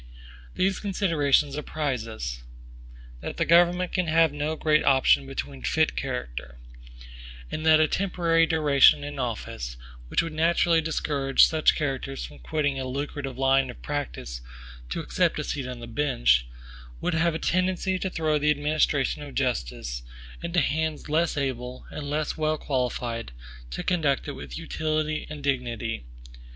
These considerations apprise us, that the government can have no great option between fit character; and that a temporary duration in office, which would naturally discourage such characters from quitting a lucrative line of practice to accept a seat on the bench, would have a tendency to throw the administration of justice into hands less able, and less well qualified, to conduct it with utility and dignity.